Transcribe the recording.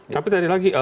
tapi tadi lagi